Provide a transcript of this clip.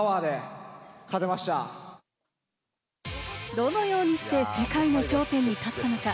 どのようにして世界の頂点に立ったのか。